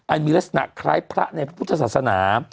อันมิรักษณะคล้ายพระในพุธศาษณา